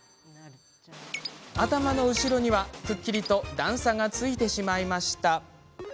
頭の後ろには、くっきりと段差がついてしまいました。